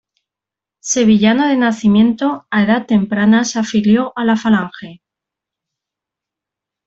Sevillano de nacimiento, a edad temprana se afilió a la Falange.